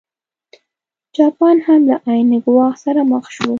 جاپان هم له عین ګواښ سره مخ شو.